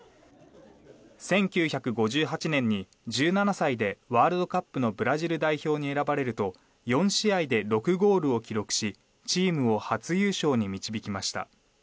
１９５８年に１７歳でワールドカップのブラジル代表に選ばれると４試合で６ゴールを記録しチームを初優勝に導きました。